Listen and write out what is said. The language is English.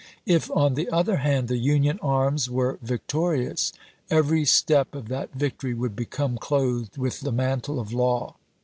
If, on the other hand, the Union arms were victorious, every step of that victoiy would become clothed with the mantle of law.